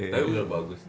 tapi udah bagus